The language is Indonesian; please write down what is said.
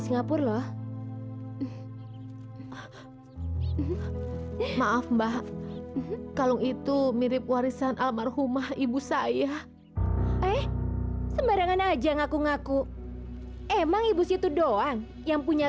sampai jumpa di video selanjutnya